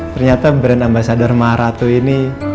ternyata brand ambasadar maharatu ini